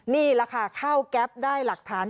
นี่แหละค่ะเข้าแก๊ปได้หลักฐาน